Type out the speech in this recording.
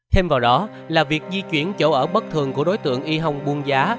thêm vào đó là việc di chuyển chỗ ở bất thường của đối tượng y hong buôn giá